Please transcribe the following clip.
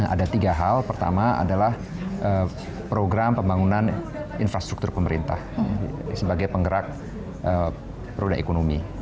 ada tiga hal pertama adalah program pembangunan infrastruktur pemerintah sebagai penggerak roda ekonomi